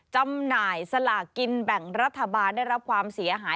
จำหน่ายสลากินแบ่งรัฐบาลได้รับความเสียหาย